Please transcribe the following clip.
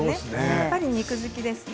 やっぱり肉好きですね。